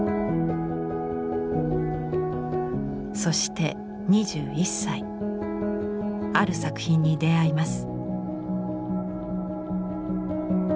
そして２１歳ある作品に出会います。